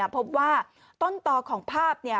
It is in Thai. พบว่าต้นต่อของภาพเนี่ย